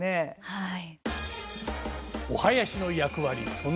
はい。